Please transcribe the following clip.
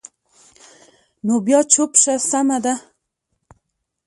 نو بیا چوپ شه، سمه ده.